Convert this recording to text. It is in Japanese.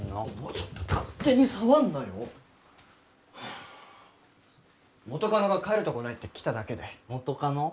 ちょっと勝手に触んなよ元カノが帰るとこないって来ただけで元カノ？